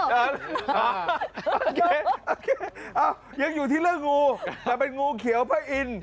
เยอะอ๋ออัยังอยู่ที่เรื่องงูแต่เป็นงูเขียวไพ่อิน